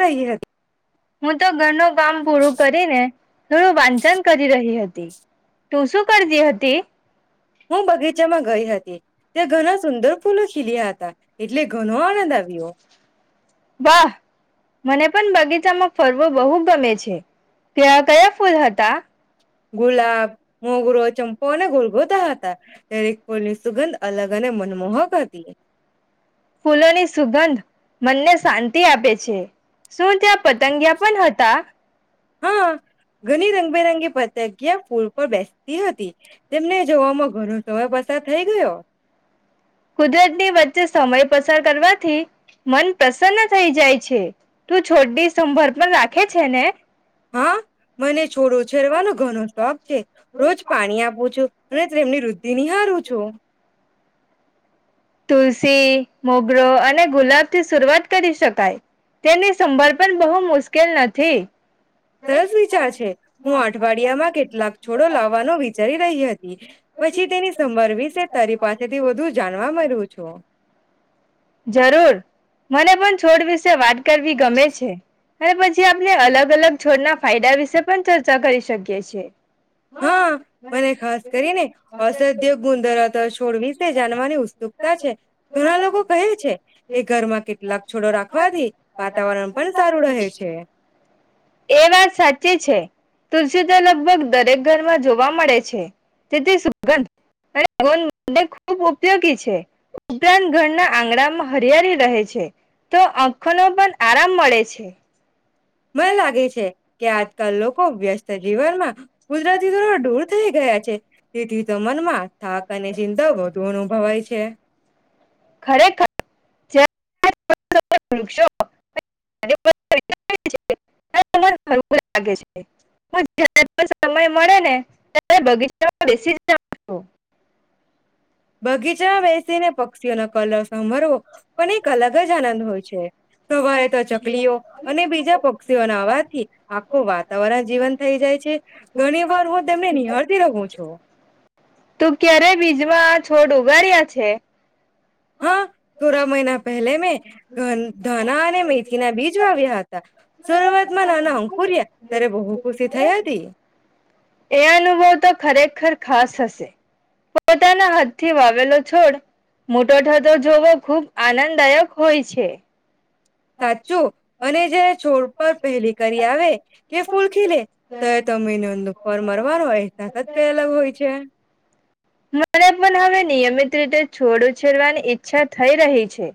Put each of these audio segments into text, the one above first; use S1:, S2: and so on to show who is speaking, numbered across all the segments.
S1: રહી હતી
S2: હું તો ઘરનું કામ પૂરું કરી ને. થોડું વાંચન કરી રહી હતી. તું શું, કરતી હતી.
S1: હું બગીચામાં ગઈ હતી ત્યાં ઘણા સુંદર ફૂલો ખીલ્યા હતા એટલે ઘણો આનંદ આવ્યો.
S2: વાહ મને પણ બગીચામાં ફરવો બહુ ગમે છે ત્યાં કયા ફૂલ હતા.
S1: ગુલાબ, મોગરો, ચંપો, અને ગલગોટા હતા. એ ફૂલની સુગંધ અલગ અને મનમોહક હતી.
S2: ફૂલોની સુગંધ મનને શાંતિ આપે છે. શું ત્યાં પતંગિયા પણ હતા?
S1: હા ઘણી રંગબેરંગી પંતગીયા ફૂલ પર બેસતી હતી તેમને જોવામાં ઘણો સમય પસાર થઈ ગયો.
S2: કુદરતની વચ્ચે સમય પસાર કરવાથી મન પ્રસન્ન થઈ જાય છે. તું છોડી સંભાર પણ રાખે છે. ને
S1: હા મને છોડો ઉછેરવાનો ઘણો શોખ છે રોજ પાણી આપું છું અને તેમની વુદ્ધિ નિહારું છું.
S2: તુલસી, મોગરો, અને ગુલાબ, થી શરૂઆત કરી શકાય તેની સંભાળ પણ બહુ મુશ્કેલ નથી.
S1: સરસ વિચાર છે હું અઠવાડિયામાં કેટલાક છોડો લાવવાનો વિચારી રહી હતી પછી તેની સંભાળ વિશે તારી પાસેથી વધુ જાણવા મળ્યું છે. છો.
S2: જરૂર મને પણ છોડ વિશે વાત કરવી ગમે છે. અને પછી આપણે અલંગ અલંગ છોડના ફાયદા વિશે પણ ચર્ચા કરી શકીએ છીએ.
S1: હા મને ખાસ કરીને અસધ્ય ગુણ ધરાવતા છોડ વિશે જાણવાની ઉત્સુકતા છે. ઘણા લોકો કહે છે
S2: એ
S1: કે ઘરમાં કેટલાક છોડો રાખવાથી વાતાવરણ પણ સારું રહે છે
S2: વાત સાચી છે. તુલસી તો લગભગ દરેક ઘરમાં જોવા મળે છે. તેથી સુગંધ અને ખૂબ ઉપયોગી છે. ઉપરાંત ઘરના આંગણામાં હરિયાળી રહે છે. તો આંખને પણ આરામ મળે છે.
S1: મને લાગે છે. કે આજકાલ લોકો વ્યસ્ત જીવનમાં કુદરતી થોડા દૂર થઈ ગયા છે. તેથી તો મનમાં થાક અને ચિંતાઓ વધુ અનુભવાય છે.
S2: ખરેખર સમય મળેને બગીચામાં બેસીને.
S1: બગીચા બેસીને પક્ષી. પક્ષીઓનો કલર સમરવો પણ એક અલગ જ આનંદ હોય છે. સવારે તો ચકલીઓ અને બીજા પક્ષીઓના અવાજથી આખું વાતાવરણ જીવંત થઈ જાય છે. ઘણી વાર હું તેમને નિહાળતી રહું છું.
S2: તું ક્યારે બીજમાં છોડ ઉગાડીયા છે.
S1: હા થોડા મહિના પેહલા મેં ધાના અને મેથીના બીજ વાવ્યા હતા. શરૂઆત માં નાના અંકુર્યા ત્યારે બહુ ખુશી થઈ હતી
S2: એ અનુભવ તો ખરેખર ખાસ હશે પોતાના હાથથી વાવેલો છોડ મોટો થતો જોવો ખૂબ આનંદદાયક હોય છે
S1: સાચું અને જે છોડ પર પહેલી કરી આવે કે ફૂલ ખી લે તો તમે ન નુફર મરવાનો અહેસાસ જ કયા અલગ હોય છે
S2: મને પણ હવે નિયમિત રીતે છોડ ઉછેરવાની ઈચ્છા થઈ રહી છે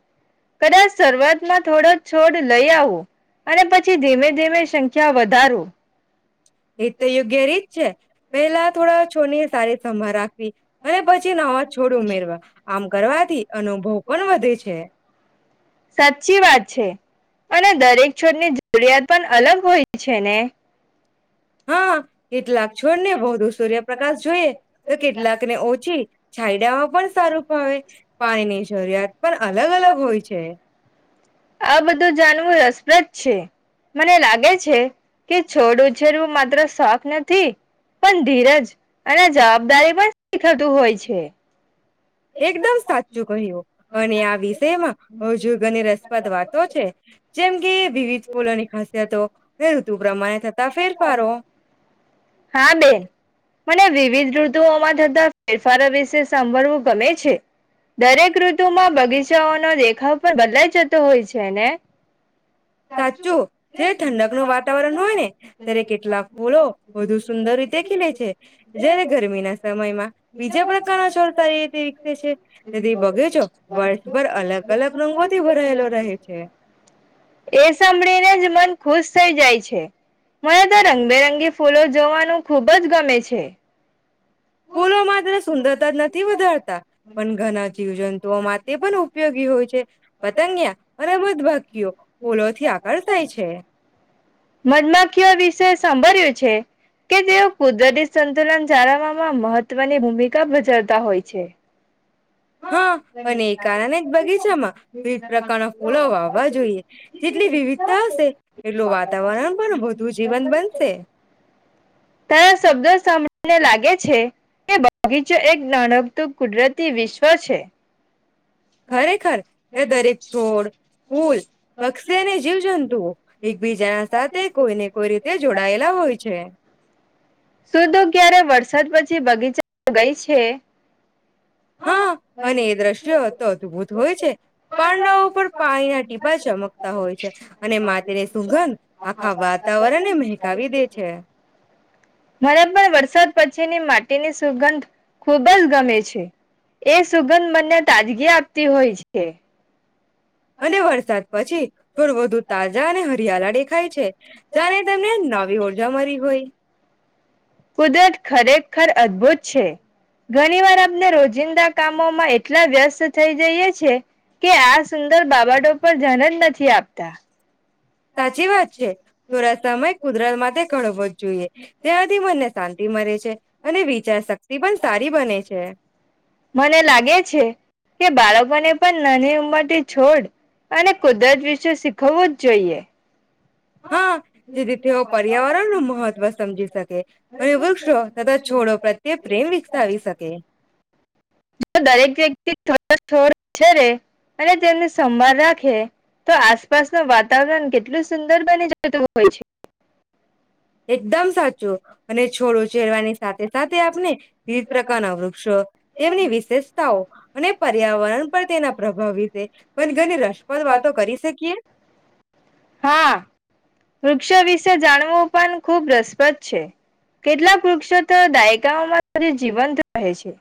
S2: કદાચ શરૂઆતમાં થોડો છોડ લઈ આવો અને પછી ધીમે ધીમે સંખ્યા વધારો
S1: એ તો યોગ્ય રીત છે પહેલા થોડા છોની સારી સંભાળ રાખવી અને પછી નવા છોડ ઉમેરવા આમ કરવાથી અનુભવ પણ વધે છે
S2: સાચી વાત છે અને દરેક છોડની જરૂરિયાત પણ અલગ હોય છે ને
S1: હા કેટલાક છોડને બૌું સૂર્યપ્રકાશ જોઈએ તો કેટલાકને ઓછી છાયડામાં પણ સારું ફાવે પાણીની જરૂરિયાત પણ અલગ અલગ હોય છે
S2: આ બધું જાણવું રસપ્રદ છે મને લાગે છે કે છોડું ઉછેરવું માત્ર શખ નથી પણ ધીરજ અને જવાબદારી પણ થતું હોય છે
S1: એકદમ સાચું કહ્યું અને આ વિષયમાં હજુ ઘન રસપ્રદ વાતો છે જેમ કે વિવિધ ફૂલોની ખાસિયતો ઋતુ પ્રમાણે થતા ફેરફારો
S2: હા બેે મને વિવિધ ઋતુઓમાં થતા ફેરફારો વિશે સાંભળવું ગમે છે દરેક ઋતુમાં બગીચાઓનો દેખાવ પણ બદલાઈ જતો હોય છે ને
S1: સાચું જયારે ઠંડક ન વાતાવરણ હોય ને ત્યારે કેટલાક ફૂલો વધુ સુંદર રીતે ખીલે છે જયારે ગરમીના સમયમાં બીજા પ્રકારના છોર સારી રીતે વિકસે છે તેથી બગેજો વર્ષભર અલગ અલગ રંગોથી ભરાયેલો રહે છે
S2: એ સાંભળીને જ મન ખુશ થઈ જાય છે મને તો રંગબેરંગી ફૂલો જોવાનું ખુબ જ ગમે છે.
S1: ફૂલો માત્ર સુંદરતા જ નથી વધારતા પણ ઘણા જીવજંતુઓમાં તે પણ ઉપયોગી હોય છે. પતંગિયા અને મધુમાંખીઓ ફૂલોથી આકર્ષાય છે.
S2: મધમાખીઓ વિશે સાંભળ્યું છે કે તેઓ કુદરતી સંતુલન જાળવવામાં મહત્વ [inaudible] ભૂમિકા ભજવતા હોય છે
S1: હા અને એ કારણે બગીચામાં વિવિધ પ્રકારના ફૂલો વાવવા જોઈએ જેટલી વિવિધતા હશે એટલું વાતાવરણ પણ વધુ જીવન બનશે.
S2: મને લાગે છે કે બગીચો એક નાણકતું કુદરતી વિશ્વ તો છે. [unintelligible]
S1: ખરેખર તે દરેક છોડ ફૂલ પક્ષી અને જીવજંતુઓ એકબીજાના સાથે કોઈને કોઈ રીતે જોડાયેલા હોય છે
S2: સુધો ક્યારે વરસાદ પછી જે બગીચામાં ગઈ છે.
S1: હા અને એ દ્રશ્યો તો અદભુત હોય છે પાંડાઓ પર પાણીના ટીપા ચમકતા હોય છે અને માટીની સુંગંધ આખા વાતાવરણને મહેકાવી દે છે.
S2: તેની સુગંધ ખુબ જ ગમે છે. એ સુગંધ મને તાજગી આપતી હોય છે.
S1: અને વરસાદ પછી ફળ વધુ તાજા અને હરિયાળા દેખાય છે જયારે તમને નવી ઉર્જા મડી હોય.
S2: કુદરત ખરેખર અદભુત છે ઘણી વાર આપને રોજિંદા કામોમાં એટલા વ્યસ્ત થઈ જઈએ છે કે આ સુંદર બાબટો પર ધ્યાન જ નથી આપતા.
S1: સાચી વાત છે થોડા સમય કુદરત માટે કળવો જ જોઈએ તેનાથી મનને શાંતિ મળે છે અને વિચાર શક્તિ પણ સારી બને છે.
S2: લાગે છે કે મને બાળકોને પણ નાની ઉંમરથી છોડ અને કુદરત વિશે શીખવવું જ જોઈએ.
S1: હા જેથી તેઓ પર્યાવરણનું મહત્વ સમજી શકે અને વૃક્ષો તથા છોડો પ્રત્યે પ્રેમ વિકસાવી શકે.
S2: જો દરેક વ્યક્તિ ઘરે છોડ ઉછેરે અને તેમને સંભાળ રાખે તો આસપાસનું વાતાવરણ કેટલું સુંદર બની જતું હોય છે.
S1: એકદમ સાચું અને છોડો ઉછેરવાની સાથે સાથે આપને વિવિધ પ્રકારના વૃક્ષો તેમની વિશેષતાઓ અને પર્યાવરણ પર તેના પ્રભાવ વિશે [inaudible] રસપ્રદ વાતો કરી શકીએ.
S2: હા વૃક્ષો વિશે જાણવું પણ ખૂબ રસપ્રદ છે કેટલાક વૃક્ષો તો દાયકાઓમાં જીવંત રહે છે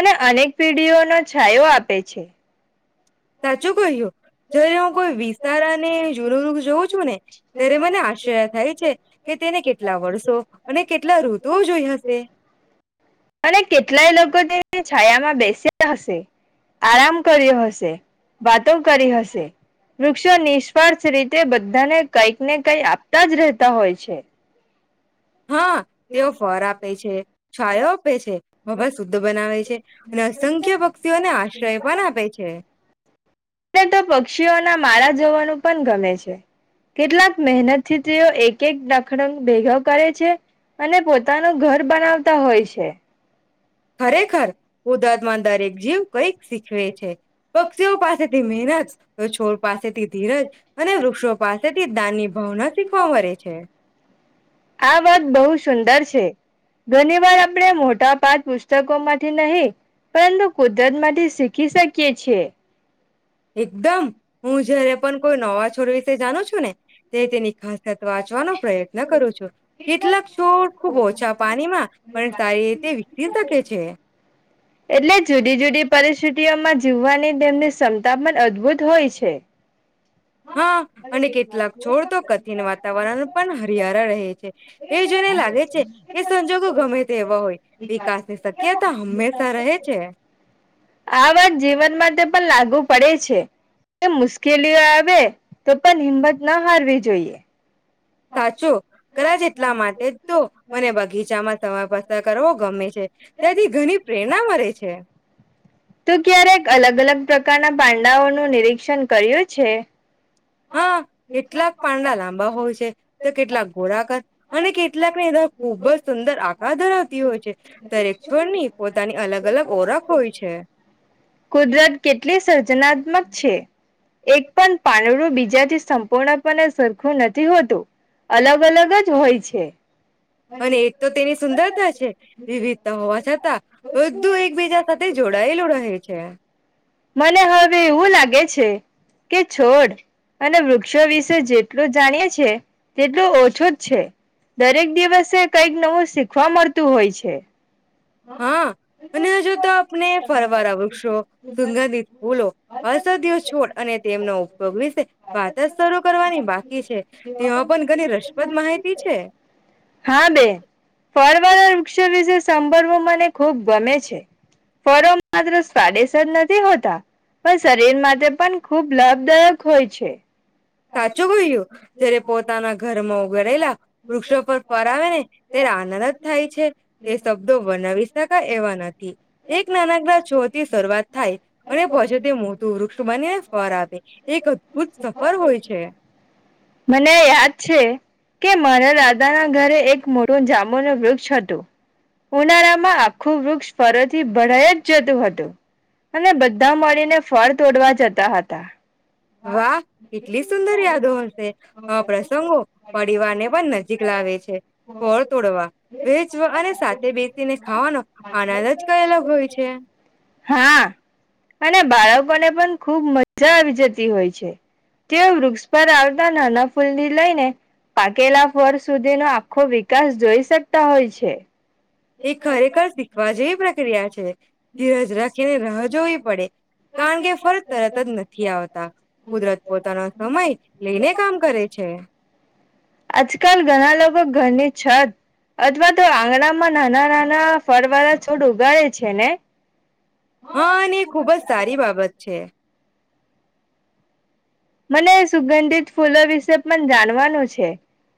S2: અને અનેક પેઢીઓનો છાયો આપે છે. [unintelligible]
S1: સાચું કહ્યું જયારે હું કોઈ વિસ્તાર અને જૂનું વૃક્ષ જોઉં છું ને ત્યારે મને આશ્ચર્ય થાય છે કે તેને કેટલા વર્ષો અને કેટલા ઋતુઓ જોઈ હશે
S2: અને કેટલાય લોકો છાયામાં બેસ્યા હશે આરામ કર્યો હશે વાતો કરી હશે વૃક્ષો નિસ્વાર્થ રીતે બધાને કઈક ને કઈ આપતા જ રહેતા હોય છે.
S1: હા તેઓ ફર આપે છે છાયો આપે છે હવા શુદ્ધ બનાવે છે અને અસંખ્ય પક્ષીઓને આશ્રય પણ આપે છે.
S2: એલે તો પક્ષીઓના માળા જોવાનું પણ ગમે છે કેટલાક મહેનતથી તેઓ એક એક દખડંગ ભેગા કરે છે અને પોતાનું ઘર બનાવતા હોય છે.
S1: ખરેખર કુદરતમાં દરેક જીવ કંઈક શીખવે છે પક્ષીઓ પાસેથી મહેનત તો છોડ પાસેથી ધીરજ અને વૃક્ષો પાસેથી દાનની ભાવના શીખવા મળે છે.
S2: આ વાત બહુ સુંદર ઘણી વાર આપણે મોટા પાદ પાક વિશે પુસ્તકો માંથી નહી પરંતુ કુદરત માંથી શીખી શકીએ છીએ.
S1: એકદમ હું જયારે પણ કોઈ નવા છોડ વિશે જાણુ છું ને ત તેની ખાસિત વાંચવાનો પ્રયત્ન કરું છું કેટલાક છોડ ખૂબ ઓછા પાણીમાં પણ સારી રીતે વિકસી શકે છે.
S2: માં જીવવાની તેમની ક્ષમતા ામાન અદભુત હોય છે. [unintelligible]
S1: હા
S2: આ
S1: અને કેટલાક છોડ તો કથિન વાતાવરણ પણ હરિયાળા રહે છે તે જોઈને લાગે છે કે સંજોગો ગમે તેવા હોય વિકાસની શક્યતા હંમેશા રહે છે
S2: વાત જીવન માટે પણ લાગુ પડે છે મુશ્કેલીઓ આવે તો પણ હિંમત ના હારવી જોઈએ.
S1: સાચો કદાચ એટલા માટે તો મને બગીચામાં સમય પસાર કરવો ગમે છે ત્યાંથી ઘણી પ્રેરણા મળે છે
S2: તું ક્યારેક અલગ અલગ પ્રકારના પાંડાઓનું નિરીક્ષણ કર્યું છે
S1: હા કેટલાક પાંડા લાંબા હોય છે તો કેટલાક ઘોળાક અને કેટલાકને ખૂબ જ સુંદર આકાર ધરાવતી હોય છે દરેક સ્વરની પોતાની અલગ અલગ ઓળખ હોય છે
S2: કુદરત કેટલી સર્જનાત્મક છે એક પણ પાંદરું બીજાથી સંપૂર્ણપણે સરખું નથી હોતું અલગ અલગ જ હોય છે
S1: અને એક તો તેની સુંદરતા છે વિવિધતા હોવા છતાં બધું એકબીજા સાથે જોડાયેલું રહે છે
S2: મને હવે એવું લાગે છે કે છોડ અને વૃક્ષો વિશે જેટલું જાણીએ છે તેટલું ઓછું જ છે દરેક દિવસે કઈક નવું શીખવા મળતું હોય છે
S1: હા અને હજુ તો આપને ફરવાર આવગશો સુંગંધ બોલો અસધ છોડ અને તેમનો ઉપયોગ વિશે વાત શ કરવાની બાકી છે તેમાં પણ ઘણી રસપ્રદ માહિતી છે
S2: હા બેન વૃક્ષો વિશે સાંભળવો મને ખુબ ગમે છે ફળ માત્ર સ્વાદેશ જ નથી હોતો પણ શરીર માટે પણ ખૂબ લાભદાયક હોય છે
S1: સાચું કહ્યું જય્યારે પોતાના ઘરમાં ઉઘરેલા વૃક્ષો પર ફર આવે ને ત્યારે આનંદ જ થાય છે તે શબ્દો વનાવી શકાય એવા નથી એક નાનકડા છો થી શરૂઆત થાય અને પહોચે તે મોટું વૃક્ષ બનીને ફર આપે એક અદભુત સફર હોય છે
S2: મને યાદ છે કે મારા દાદાના ઘરે એક મોટો જાંામુ ન વૃક્ષ હતું ઉનાળામાં આખું વૃક્ષ ફરથી ભરાઈ જ જતું હતું અને બધ ધ મળીને ફળ તોડવા જતા હતા
S1: વાહ કેટલી સુંદર યાદો હશે આ પ્રસંગો પરિવારને પણ નજીક લાવે છે ફળ તોડવા વેચવા અને સાથે બેસીને ખાવાનો આનંદ જ કઈ અલગ હોય છે.
S2: હા અને બાળકોને પણ ખૂબ મજા આવી જતી હોય છે તેઓ વૃક્ષ પર આવતા નાના ફૂલની લઈને પાકેલા ફળ સુધીનો આખો વિકાસ જોઈ શકતા હોય છે.
S1: એ ખરેખર શીખવા જેવી પ્રક્રિયા છે. ધીરજ રાખીને રાહ જોવી પડે કારણ કે ફરજ તરત જ નથી આવતા કુદરત પોતાનો સમય લઈને કામ કરે છે.
S2: આજકાલ ઘણા લોકો ઘરની છત અથવા તો આંગણામાં નાના નાના ફળ વાળા છોડ ઉગાડે છે ને.
S1: હા ને ખુબ જ સારી બાબત છે.
S2: મને સુગંધિત ફૂલો વિશે પણ જાણવાનું છે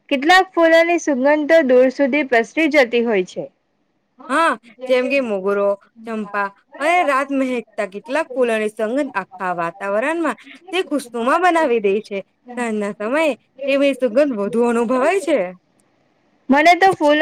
S2: કેટલાક ફૂલોની સુગંધો દૂર સુધી પ્રસરી જતી હોય છે.
S1: હા જેમ કે મોગરો ચંપા અને રાત મહેકતા કેટલાક ફૂલોની સંગત આખા વાતાવરણમાં તે સોમા બનાવી દે છે સાજના સમયે તેવી સુગંધ વધુ અનુભવાય છે.
S2: મને તો ફૂલ